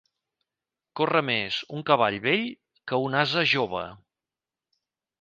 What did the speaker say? Corre més un cavall vell que un ase jove.